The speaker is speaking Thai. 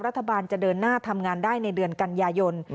รัฐบาลจะเดินหน้าทำงานได้ในเดือนกันยายน